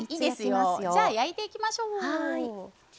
じゃあ焼いていきましょう！